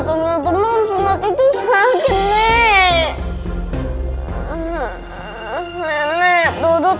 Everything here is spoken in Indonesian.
sama ibu ibu kapan balik ke indonesia